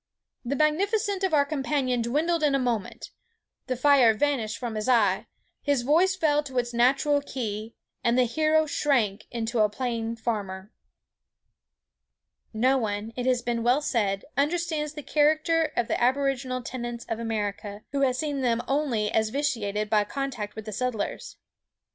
The magnificence of our companion dwindled in a moment. The fire vanished from his eye; his voice fell to its natural key; and the hero shrank into a plain farmer." No one, it has been well said, understands the character of the aboriginal tenants of America, who has seen them only as vitiated by contact with the settlers.